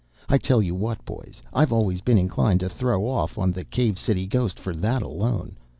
I tell you what, boys, I've always been inclined to throw off on the Cave City ghost for that alone.